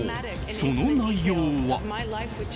その内容は。